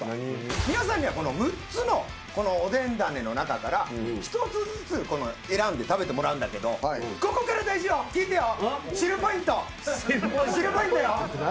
皆さんには６つのおでんダネの中から１つずつ選んで食べてもらうんだけどここから大事よ聞いてよ。